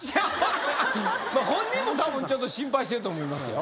まあ本人も多分ちょっと心配してると思いますよ